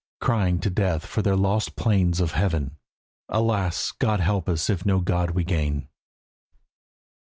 Crying to Death for their lost plains of Heaven. "Alas! God help us if no God we gain."